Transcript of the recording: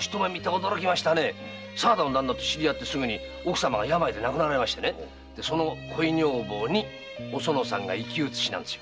沢田の旦那と知り合ってすぐに奥様が病で亡くなられてその恋女房におそのさんが生き写しなんですよ。